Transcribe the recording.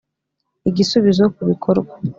igisubizo kubikorwa